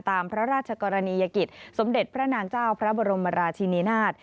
ตามพระราชกรณียกิจสมเด็จพระนางเจ้าพระบรมราชินินาศ